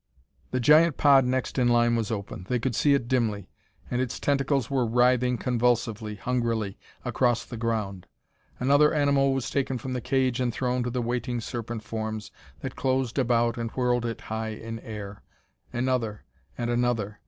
The giant pod next in line was open they could see it dimly and its tentacles were writhing convulsively, hungrily, across the ground. Another animal was taken from the cage and thrown to the waiting, serpent forms that closed about and whirled it high in air. Another and another!